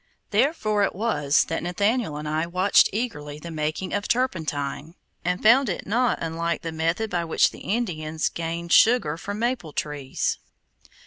Therefore it was that Nathaniel and I watched eagerly the making of turpentine, and found it not unlike the method by which the Indians gain sugar from maple trees.